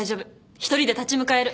一人で立ち向かえる。